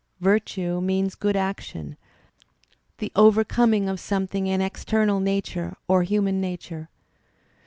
Virtue means good action, .' the overcoming of something in external nature or human nature.